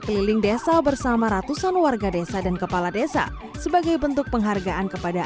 keliling desa bersama ratusan warga desa dan kepala desa sebagai bentuk penghargaan kepada